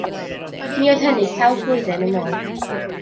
Mi oedd hynny sawl blwyddyn yn ôl.